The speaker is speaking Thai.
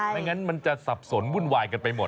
ไม่งั้นมันจะสับสนวุ่นวายกันไปหมด